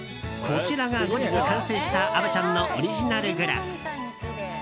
こちらが後日、完成した虻ちゃんのオリジナルグラス。